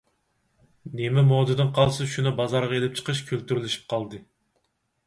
نېمە مودىدىن قالسا شۇنى بازارغا ئېلىپ چىقىش كۈلتۈرلىشىپ قالدى.